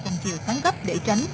còn chiều thắng gấp để tránh